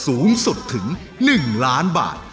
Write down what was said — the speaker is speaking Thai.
สูงสุดถึง๑ล้านบาท